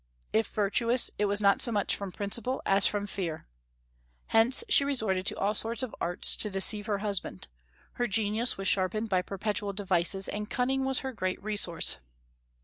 If virtuous, it was not so much from principle as from fear. Hence she resorted to all sorts of arts to deceive her husband; her genius was sharpened by perpetual devices, and cunning was her great resource.